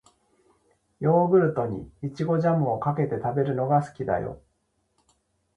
ヨーグルトに、いちごジャムをかけて食べるのが好きだよ。